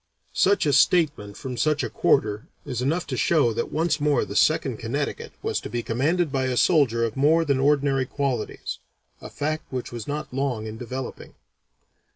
Such a statement from such a quarter is enough to show that once more the Second Connecticut was to be commanded by a soldier of more than ordinary qualities, a fact which was not long in developing.